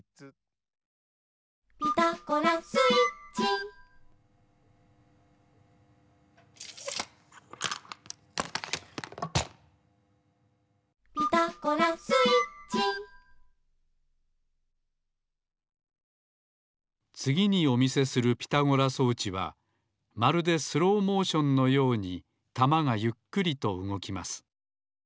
「ピタゴラスイッチ」「ピタゴラスイッチ」つぎにお見せするピタゴラ装置はまるでスローモーションのようにたまがゆっくりとうごきます。